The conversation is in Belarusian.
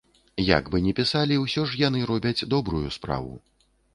І як бы не пісалі, усё ж яны робяць добрую справу.